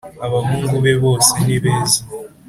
Abahungu be bose nibeza